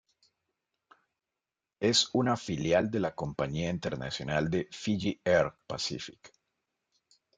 Es una filial de la compañía internacional de Fiyi Air Pacific.